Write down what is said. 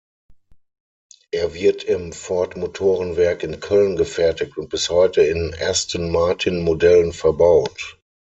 Er wird im Ford-Motorenwerk in Köln gefertigt und bis heute in Aston-Martin-Modellen verbaut.